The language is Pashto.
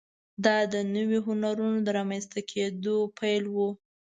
دا د نویو هنرونو د رامنځته کېدو پیل و.